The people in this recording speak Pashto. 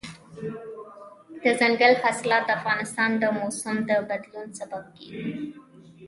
دځنګل حاصلات د افغانستان د موسم د بدلون سبب کېږي.